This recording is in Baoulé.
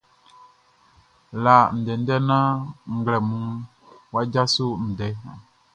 La ndɛndɛ naan nglɛmunʼn wʼa djaso ndɛndɛ.